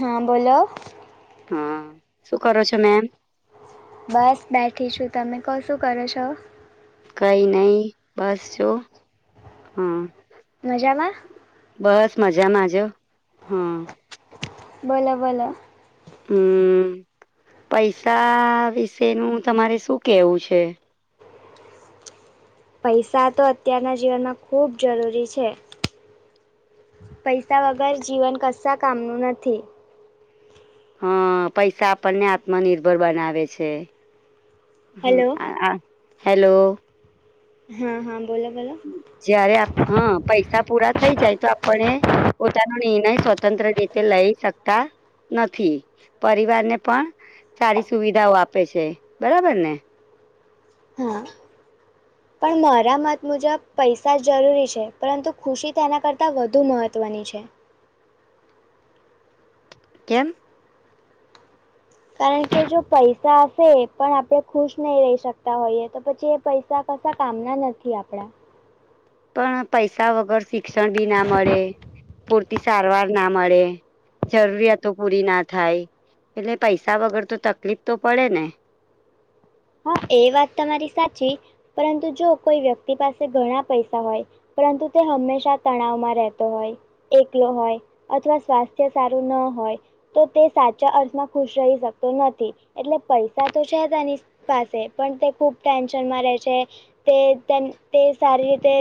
હા બોલો. હા શું કરો છો મેમ? બસ બેઠી છું તમે કો શું કરો છો? કઈ નઈ બસ જો હા. મજામાં? બસ મજામાં જો, હમ્મ. બોલો બોલો. હમ્મ, પૈસા વિશેનું તમારે શું કેવું છે? પૈસા તો અત્યારના જીવનમાં ખૂબ જરૂરી છે. પૈસા વગર જીવન કશા કામનું નથી. હા પૈસા આપણને આત્મનિર્ભર બનાવે છે. હમ્મ હલો આ આ હેલો. હા હા, બોલો બોલો. જયારે હા પૈસા પૂરા થઈ જાય તો આપણે પોતાનો નિર્ણય સ્વતંત્ર રીતે લઈ શકતા. નથી પરિવાર ને પણ સારી સુવિધાઓ આપે છે બરાબર ને હા પણ મારા મત મુજબ પૈસા જરૂરી છે પરંતુ ખુશી તેના કરતાં વધુ મહત્ત્વની છે. કેમ કારણ જો પૈસા હશે પણ આપણે ખુશ નહી રહી શકતા હોઈએ તો પછી એ પૈ પૈસા કશા કામના નથી આપણા પણ પૈસા વગર શિક્ષણ બી ના મળે પૂરતી સારવાર ના મળે જરૂરિયાતો પૂરી ના થાય એટલે પૈસા વગર તો તકલીફ તો પડે ને હા એ વાત તમારી સાચી પરંતુ જો કોઈ વ્યક્તિ પાસે ઘણા પૈસા હોય પરંતુ તે હંમેશા તણાવમાં રહેતો હોય એકલો હોય અથવા સ્વાસ્થ્ય સારું ન હોય તો તે સાચા અર્થમાં ખુશ રહી શકતો નથી એટલે પૈસા તો છે તેની પાસે પણ તે ખુબ ટેન્શનમાં રહે છે. તે તે તે સારી રીતે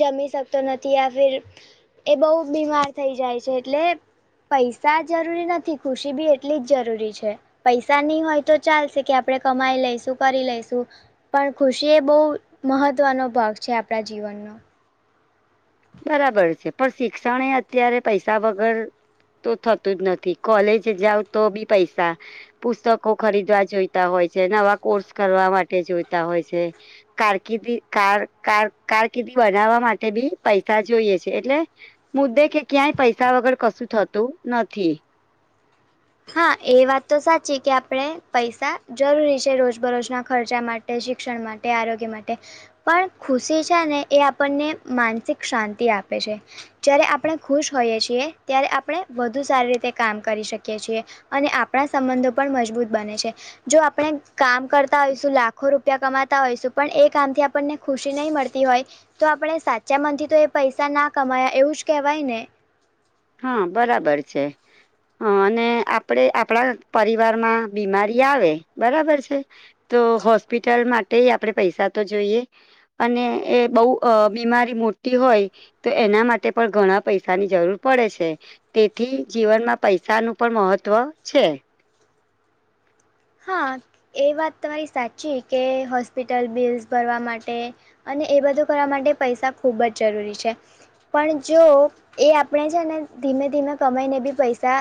જમી શકતો નથી આ ફિર એ બહુ બીમાર થઈ જાય છે એટલે પૈસા જરૂરી નથી ખુશી બી એટલી જ જરૂરી છે પૈસા નહી હોય તો ચાલશે કે આપડે કમાઈ લઈશું તું કરી લઈશુ પણ ખુશી એ બહુ મહત્વનો ભાગ છે આપણા જીવનનો બરાબર છે પણ શિક્ષણ એ અત્યારે પૈસા વગર તો થતું જ નથી કોલેજ જાવ તો બી પૈસા પુસ્તકો ખરીદવા જોઈતા હોય છે નવા કોર્સ કરવા માટે જોતા હોય છે કારકિર્દી કાર કાર કારકિર્દી બનાવવા માટે બી પૈસા જોઈએ છે એટલે મુદ્દે કે ક્યાંય પૈસા વગર કશું થતું નથી હા એ વાત તો સાચી કે આપણે પૈસા જરૂરી છે રોજબરોજના ખર્ચા માટે શિક્ષણ માટે આરોગ્ય માટે પણ ખુશી છે ને એ આપણને માનસિક શાંતિ આપે છે જયારે આપણે ખુશ હોઈએ છીએ ત્યારે આપણે વધુ સારી રીતે કામ કરી શકીએ શકીએ છીએ અને આપણા સંબંધો પણ મજબૂત બને છે. જો આપણે કામ કરતા હોઈશું લાખો રૂપિયા કમાતા હોઈશું પણ એ કામથી આપણને ખુશી નહીં મળતી હોય તો આપણે સાચા મન થી તો એ પૈસા ના કમાયા એવું જ કેવાય ને હા બરાબર છે. હા અને આપડે આપણા પરિવારમાં બીમારી આવે બરાબર છે. તો હોસ્પિટલ માટે આપડે પૈસા તો જોઈએ. અને એ બહુ અ બીમારી મોટી હોય તો એના માટે પણ ઘણા પૈસાની જરૂર પડે છે તેથી જીવનમાં પૈસાનું પણ મહત્ત્વ છે હા એ વાત તમારી સાચી કે હોસ્પિટલ બિલ્સ ભરવા માટે અને એ બધું કરવા માટે પૈસા ખૂબ જ જરૂરી છે પણ જો એ આપણે છે ને ધીમે ધીમે કમાઈને બી પૈસા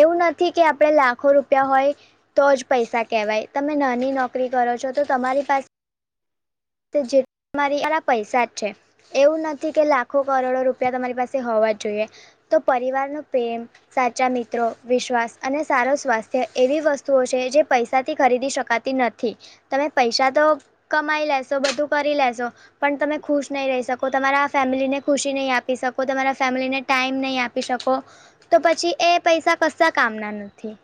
એવું નથી કે આપડે લાખો રૂપિયા હોય તો જ પૈસા કહેવાય તમે નાની નોકરી કરો છો તો તમારી પાસે જે મારી અરા પૈસા જ છે એવું નથી કે લાખો કરોડો રૂપિયા તમારી પાસે હોવા જોઈએ તો પરિવાર નો પ્રેમ સાચા મિત્રો વિશ્વાસ અને સારો સ્વાસ્થ્ય એવી વસ્તુઓ છે જે પૈસાથી ખરીદી શકા તી નથી, તમે પૈસા તો કમાઈ લેશો બધું કરી લેશો. પણ તમે ખુશ નહી રહી શકો, તમારા ફેમિલીને ખુશી નહી આપી શકો, તમારા ફેમિલીને ટાઈમ નહી આપે. આપી શકો તો, પછી એ પૈસા કશાય કામ ના નથી.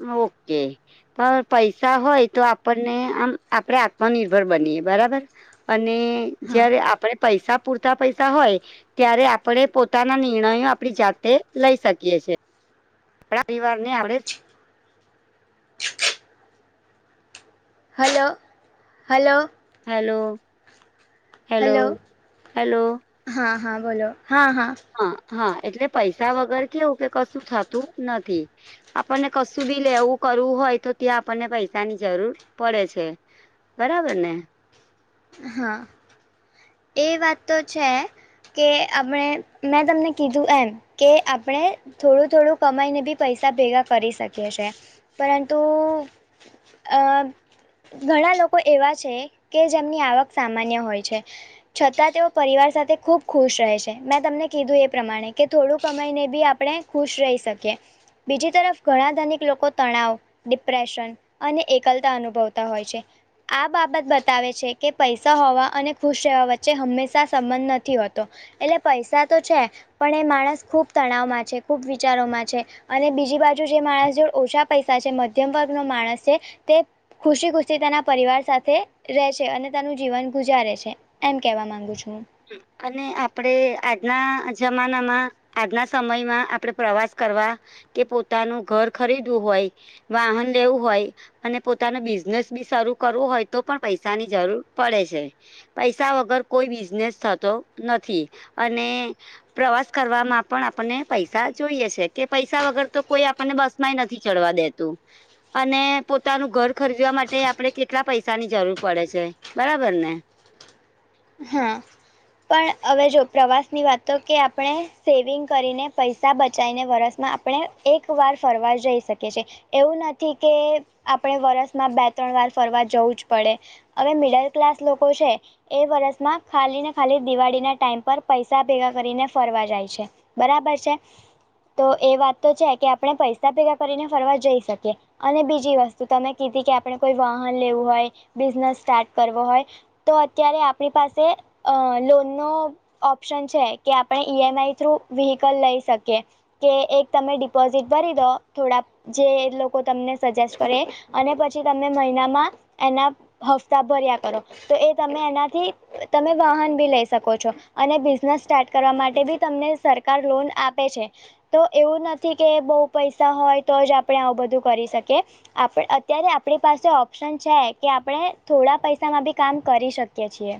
ઓકે. પણ પૈસા હોય તો, આપણને આમ આપડે આત્મનિર્ભર બનીએ બરાબર. અને હા જયારે આપડે પૈસા પૂરતા પૈસા હોય. ત્યારે આપણે પોતાના નિર્ણયો આપડી જાતે લઈ શકીએ છીએ. ને આપડે hello, hello. Hello. Hello hello, hello હા, હા, બોલો હા, હા. હા, હા, એટલે પૈસા વગર કેવું કે, કશું થતું નથી. આપણને કશું બી લેવું કરવું હોય તો, ત્યાં આપણને પૈસા ની જરૂર પડે છે. બરાબર ને. હા, એ વાત તો છે. કે આપણે મેં કીધું. કે આપણે થોડું-થોડું કમાઈને બી પૈસા ભેગા કરી શકીએ છે. પરંતુ. ઘણા લોકો એવા છે કે, જેમની આવક સામાન્ય હોય છે. છતાં તેઓ પરિવાર સાથે ખુશ રહે છે, તમને કીધું એ પ્રમાણે કે થોડુંક સમમાયને બી આપણે ખુશ રહી શકીએ, બીજી તરફ ઘણા ધનિક લોકો તણાવ, ડિપ્રેશન અને એકલતા અનુભવતા હોય છે, આ બાબત બતાવે છે કે. પૈસા હોવા અને ખુશ રહેવા વચ્ચે હંમેશા સંબંધ નથી હોતો, એટલે પૈસા તો છે. પણ એ માણસ ખુબ તણાવમાં છે, ખુબ વિચારોમાં છે. અને બીજી બાજુ જે માણસ જો ઓછા પૈસા છે, મધ્યમ વર્ગનો માણસ છે, તે ખુશી-ખુશી તેના પરિવાર સાથે રહે છે, અને તાનું જીવન ગુજારે છે, એમ કેવા માંગુ છું, હું અને આપડે આજના જમાનામાં. આજના સમયમાં આપણે પ્રવાસ કરવા કે, પોતાનું ઘર ખરીદવું હોય. વાહન લેવું હોય. અને બિઝનેસ બી શરૂુ કરવો તો, પણ પૈસાની જરૂર પડે છે. પૈસા વગર કોઈ બિઝનેસ થતો નથી, અને પ્રવાસ કરવામાં પણ આપણને પૈસા જોઈએ છે કે, પૈસા વગર તો કોઈ આપણને બસ નથી ચડવા દેતું. અને પોતાનું ઘર ખરીદવા માટે આપણે કેટલા પૈસાની જરૂર પડે છે. બરાબર ને. હા. પણ હવે જો પ્રવાસની વાત તો કે, આપણે સેવિંગ કરીને પૈસા બચાવીને વરસમાં આપણે એક વાર ફરવા જઈ શકીએ છીએ. એવું નથી કે, આપણે વરસમાં બે-ત્રણ વાર ફરવા જવું જ પડે. હવે મિડલ ક્લાસ લોકો છે, એ વર્ષ માં ખાલી ને, ખાલી દિવાળીના ટાઈમ પર પૈસા ભેગા કરીને ફરવા જાય છે. બરાબર છે, તો એ વાત તો છે કે, આપણે પૈસા ભેગા કરીને ફરવા જઈ શકીએ. અને બીજી વસ્તુ તમે કીધી કે, આપણે કોઈ વાહન લેવું હોય, બિઝનેસ સ્ટાર્ટ કરવો હોય. તો અત્યારે આપણી પાસે અ લોનનો ઓપ્શન છે કે આપણે ઈ એમ આઈ થ્રુ વ્હિકલ લઈ શકીએ. કે એક તમે ડિપોઝિટ ભરી દો થોડા જે લોકો તમને સજેસ્ટ કરે અને પછી તમે મહિનામાં એના હફ્તા ભર્યા કરો, તો એ તમે એનાથી તમે વાહન ભી લઈ શકો છો. અને બિઝનેસ સ્ટાર્ટ કરવા માટે બી તમને સરકાર લોન આપે છે. તો એવું નથી કે બઉુ પૈસા હોય તો જ આપણે આવું બધું કરી શકીએ. આપ અત્યારે આપણી પાસે ઓપ્શન છે કે આપણે થોડા પૈસામાં બી કામ કરી શકીએ છીએ.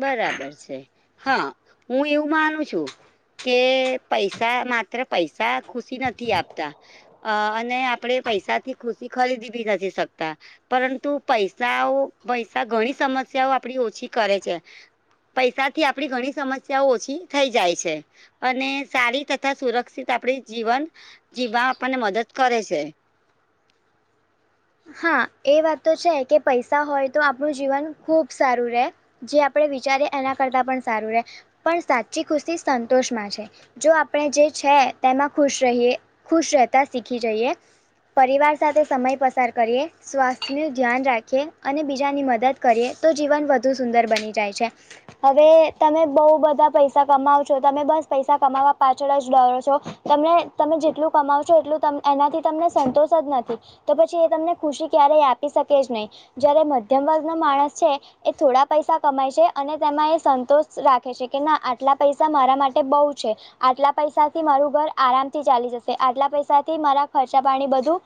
બરાબર છે, હા, હું એવું માનું છું. કે પૈસા માત્ર પૈસા ખુશી નથી આપતા. અ અને આપડે પૈસા થી ખુશી ખરીદી ભી નથી શકતા. પરંતુ પૈસાઓ પૈસા ઘણી સમસ્યાઓ આપડી ઓછી કરે છે. પૈસાથી આપડી ઘણી સમસ્યાઓ ઓછી થઈ જાય છે. અને સારી તથા સુરક્ષિત આપણી જીવન જીવવા આપણને મદદ કરે છે. હા, એ વાત તો છે કે પૈસા હોય તો આપણું જીવન ખુબ સારું રે. જે આપણે વિચારીએ એના કરતાં પણ સારું રહે પણ સાચી ખુશી સંતોષમાં છે. જો આપણે જે છે તેમાં ખુશ રહીયે ખુશ રહેતા શીખી જઈએ. પરિવાર સાથે સમય પસાર કરીએ. સ્વાસ્થ્યનું ધ્યાન રાખીએ, અને બીજાની મદદ કરીએ, તો જીવન વધુ સુંદર બની જાય છે. હવે, તમે બહુ બધા પૈસા કમાવ છો, તમે બસ પૈસા કમાવા પાછળ જ ડરો છો. તને તમે જેટલું કમાવશો એટલું એનાથી તમને સંતોષ જ નથી તો પછી એ તમને ખુશી ક્યારેય આપી શકે જ નહીં, જયારે મધ્યમ વર્ગનો માણસ છે. એ થોડા પૈસા કમાય છે, અને તેમાં એ સંતોષ રાખે છે કે ના આટલા પૈસા મારા માટે બહુ છે. આટલા પૈસાથી મારું ઘર આરામથી ચાલી જશે, આટલા પૈસાથી મારા ખર્ચા પાણી બધું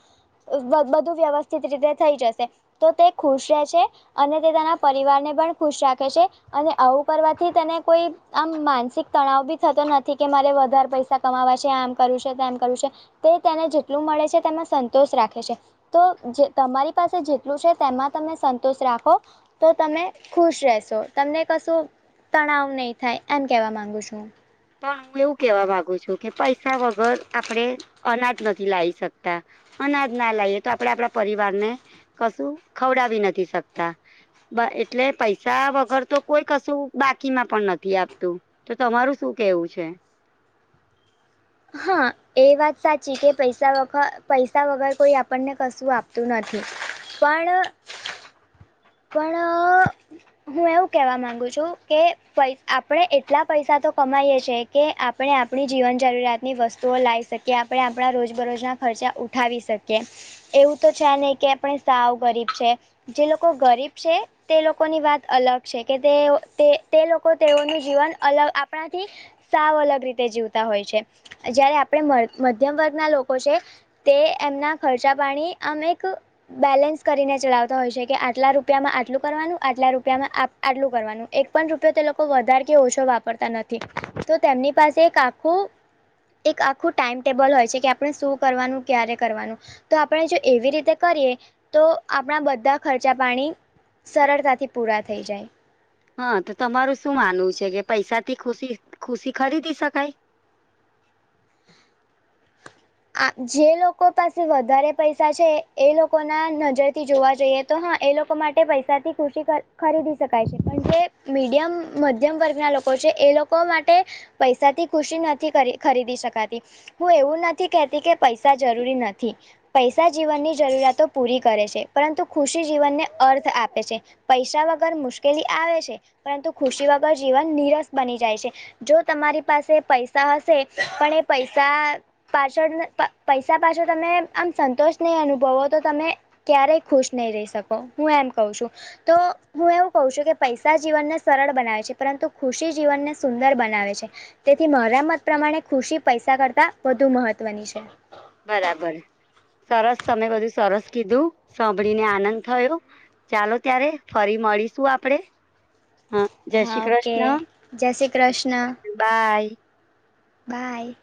બધું વ્યવસ્થિત રીતે થઈ જશે, તો તે ખુશ રહે છે. અને તે તેના પરિવારને પણ ખુશ રાખે છે, અને આવું કરવાથી તેને કોઈ આમ માનસિક તણાવ ભી થતો નથી કે મારે વધારે પૈસા કમાવા છે, આમ કરું છે, તેમ કરવું છે. તે તેને જેટલું મળે છે તેમાં સંતોષ રાખે છે. તો જે તમારી પાસે જેટલું છે તેમાં તમે સંતોષ રાખો. તો તમે ખુશ રહેશો, તમને કશું તણાવ નહી થાય, એમ કેવા માંગુ છું. પણ હું એવું કેવા માંગુ છું કે પૈસા વગર આપણેે અનાજ નથી લાઈ શકતા. અનાજ ના લાઈએ તો આપણે આપણા પરિવાર ને કશું ખવડાવી નથી શકતા. બ એટલે પૈસા વગર તો કોઈ કશું બાકીમાં પણ નથી આપતું. તો તમારું શું કેવું છે? હા. એ વાત સાચી કે પૈસા વ પૈસા વગર કોઈ આપણને કશું આપતું નથી. પણ... પણ... હું એવું કેવા માંગુ છું, કે પૈ આપણે એટલા પૈસા તો કમાયએ છીએ. કે આપણે આપણી જીવન જરૂરિયાત ની વસ્તુઓ લાઈ શકીએ, આપણે આપણા રોજબરોજના ખર્ચા ઉઠાવી શકીએ. એવું તો છે નહી કે આપણે સાવ ગરીબ છે, જે લોકો ગરીબ છે. તે લોકોની વાત અલગ છે, કે તે લોકો તેઓનું જીવન અલગ આપણાથી... સાવ અલગ રીતે જીવતા હોય છે જયારે આપણે મ મધ્યમ વર્ગના લોકો છે. તે એમના ખર્ચા પાણી આમ એક બેલેન્સ કરીને ચલાવતા હોય છે, કે આ ટલા રૂપિયામાં આટલું કરવાનું આટલા રૂપિયામાં આટ આટલું કરવાનું એક પણ રૂપયો તે લોકો વધારે કે ઓછો વાપરતા ન થી તો તેમની પાસે એક આખું. એક આખું ટાઈમ ટેબલ હોય છે, કે આપણે શું કરવાનું ક્યારે કરવાનું તો આપણે જો એવી રીતે કરીએ તો આપણા બધા ખર્ચ ચા પાણી સરળતાથી પૂરાં થઈ જાય. હા, તો તમારું શું માનવું છે કે પૈસાથી ખુશી ખુશી ખરીદી શકાય? આ જે લોકો પાસે વધારે પૈસા છે એ લોકોના નજરથી જોવા જઈએ તો હા, એ લોકો માટે પૈસાથી ખુશી ખર ખરીદી શકાય છે પણ તે મીડિયમ મધ્યમ વર્ગના લો કો છે એ લોકો માટે પૈસાથી ખુશી નથી ખરી ખરીદી શકાતી હું એવું ન થી કેતી કે પૈસા જરૂરી નથી. પૈસા જીવનની જરૂરિયાતો પૂરી કરે છે પરંતુ ખુશી જીવનને અર્થ આપે છે. પૈસા વગર મુશ્કેલી આવે છે પરંતુ ખુશી જીવન નિરસ બની જાય છે. જો તમારી પાસે પૈસા હશે પણ એ પૈસા પાછળ ન પ પૈસા પાછળ તમે આમ સંતોષ નહીં અનુભવો તો તમે ક્યારેય ખુશ નહી રહી શકો હું એમ કહું છું. તો હું એવું કહું છું કે પૈસા જીવનને સરળ બનાવે છે પરંતુ ખુશી જીવનને સુંદર બનાવે છે. તેથી મારા મત પ્રમાણે ખુશી પૈસા કરતા વધુ મહત્વની છે. બરાબર, સરસ તમે બધું સરસ કીધું સાંભળીને આનંદ થયો. ચાલો ત્યારે ફરી મળીશું આપડે. જય હા, શ્રી ઓકે કૃષ્ણ જય શ્રી કૃષ્ણ. બાય. બાય.